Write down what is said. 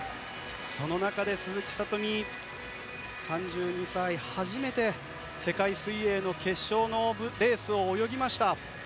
その中で鈴木聡美３２歳、初めて世界水泳の決勝のレースを泳ぎました。